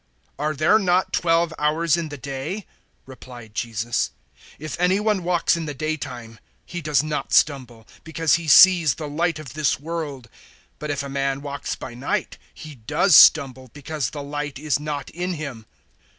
011:009 "Are there not twelve hours in the day?" replied Jesus. "If any one walks in the daytime, he does not stumble because he sees the light of this world. 011:010 But if a man walks by night, he does stumble, because the light is not in him."